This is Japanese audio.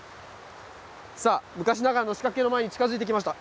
さあ、昔ながらの仕掛けの前に近づいてきました。